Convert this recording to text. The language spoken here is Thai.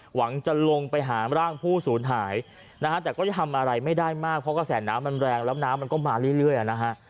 หวังจะลงไปหาร่างผู้สูญหายนะฮะแต่ก็จะทำอะไรไม่ได้มากเพราะกระแสน้ำมันแรงแล้วน้ำมันก็มาเรื่อยนะฮะ